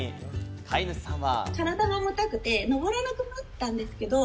飼い主さんは。